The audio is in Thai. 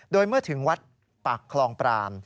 โดยเมื่อถึงวัดปากคลองปราม